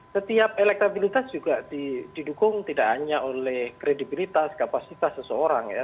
setiap elektabilitas juga didukung tidak hanya oleh kredibilitas kapasitas seseorang ya